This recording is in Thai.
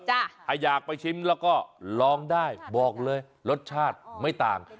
ถ้าอยากไปชิมแล้วก็ลองได้บอกเลยรสชาติไม่ต่าง